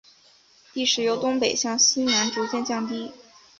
地势由东北向西南逐渐降低。